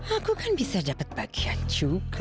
aku kan bisa dapat bagian juga